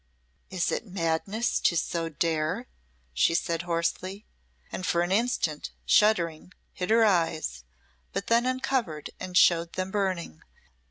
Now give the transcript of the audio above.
"Is it madness to so dare?" she said hoarsely, and for an instant, shuddering, hid her eyes, but then uncovered and showed them burning.